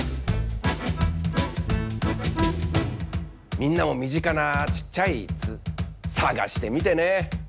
みんなもみぢかなちっちゃい「っ」さがしてみてね！